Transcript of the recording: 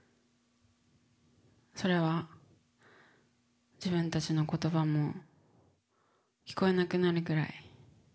それは自分たちの言葉も聞こえなくなるくらい。